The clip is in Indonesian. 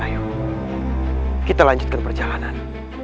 ayo kita lanjutkan perjalanan